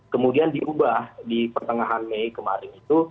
kemudian diubah di pertengahan mei kemarin itu